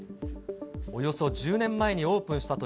およそ１０年前にオープンしたと